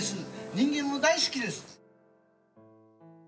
人間も大好きです。